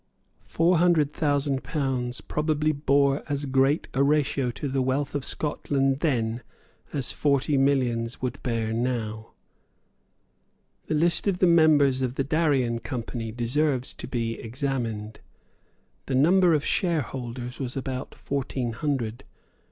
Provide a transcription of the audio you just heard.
Four hundred thousand pounds probably bore as great a ratio to the wealth of Scotland then as forty millions would bear now. The list of the members of the Darien Company deserves to be examined. The number of shareholders was about fourteen hundred.